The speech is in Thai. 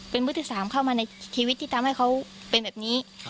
เป็นมือที่๓เข้ามาในชีวิตที่ทำให้เขาเป็นแบบนี้